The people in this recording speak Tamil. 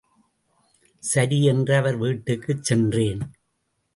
சரி என்று அவர் வீட்டுக்குச் சென்றேன்.